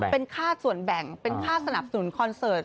เป็นค่าส่วนแบ่งเป็นค่าสนับสนุนคอนเสิร์ต